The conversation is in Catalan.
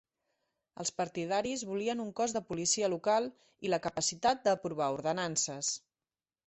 Els partidaris volien un cos de policia local i la capacitat d'aprovar ordenances.